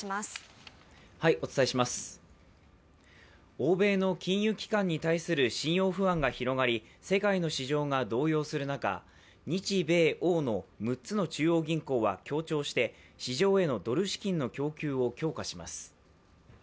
欧米の金融機関に対する信用不安が広がり世界の市場が動揺する中、日米欧の六つの中央銀行は協調して市場へのドル資金の供給を強化します。